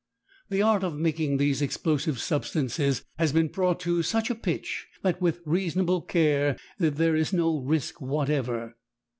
The art of making these explosive substances has been brought to such a pitch that with reasonable care there is no risk whatever.